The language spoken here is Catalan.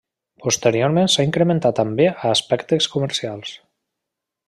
Posteriorment s'ha incrementat també a aspectes comercials.